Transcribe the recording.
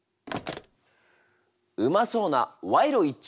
うまそうな賄賂一丁！